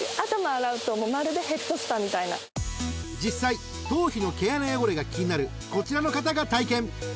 ［実際頭皮の毛穴汚れが気になるこちらの方が体験］